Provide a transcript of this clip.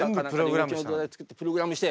全部プログラムして。